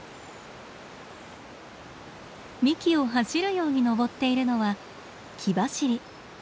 幹を走るように登っているのはキバシリ。